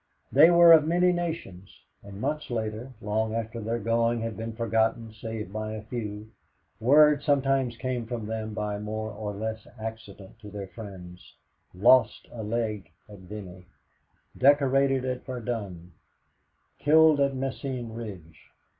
They were of many nations and months later long after their going had been forgotten save by a few, word sometimes came from them by more or less accident to their friends "Lost a leg at Vimy"; "Decorated at Verdun"; "Killed at Messine Ridge."